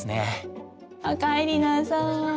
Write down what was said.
おかえりなさい。